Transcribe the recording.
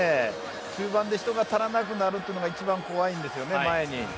中盤で人が足らなくなるというのが一番怖いんですね前に。